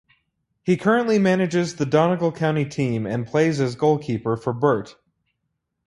He currently manages the Donegal county team and plays as goalkeeper for Burt.